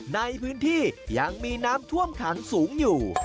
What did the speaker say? ในพื้นที่ยังมีน้ำท่วมขังสูงอยู่